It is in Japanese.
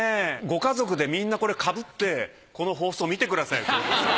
ご家族でみんなこれ被ってこの放送見てください。